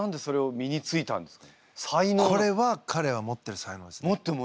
これはかれが持ってる才能ですね。